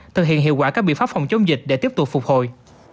thực hiện hiệu quả các biện pháp phòng chống dịch để tiếp tục phục hồi